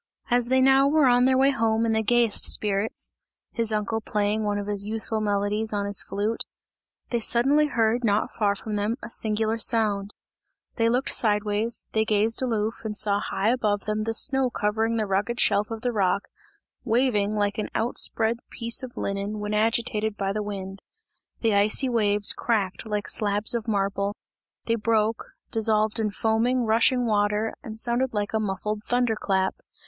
As they now were on their way home in the gayest spirits his uncle playing one of his youthful melodies on his flute they suddenly heard not far from them a singular sound; they looked sideways, they gazed aloof and saw high above them the snow covering of the rugged shelf of the rock, waving like an outspread piece of linen when agitated by the wind. The icy waves cracked like slabs of marble, they broke, dissolved in foaming, rushing water and sounded like a muffled thunder clap.